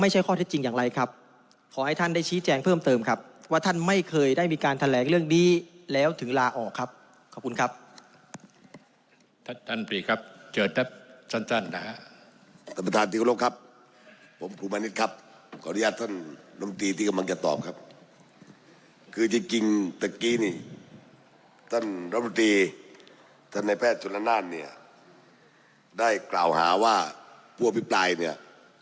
สมมติท่านนายแพทย์จนละนานเนี่ยได้กล่าวหาว่าพวกพี่ปลายเนี่ย